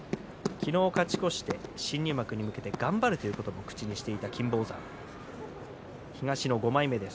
昨日勝ち越して新入幕に向けて頑張るということを口にしていた金峰山東の５枚目です。